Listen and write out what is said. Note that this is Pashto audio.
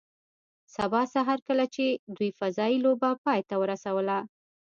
سبا سهار کله چې دوی فضايي لوبه پای ته ورسوله